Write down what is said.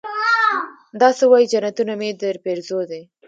دا سه وايې جنتونه مې درپېرزو دي.